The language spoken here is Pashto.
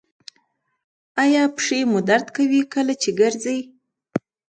ایا پښې مو درد کوي کله چې ګرځئ؟